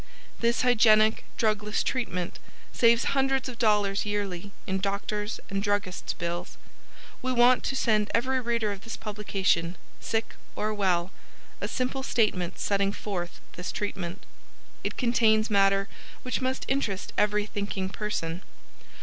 This hygienic, drugless treatment saves hundreds of dollars yearly in doctors' and druggists' bills. We want to send to every reader of this publication, sick or well, a simple statement setting forth this treatment. It contains matter which must interest every thinking person.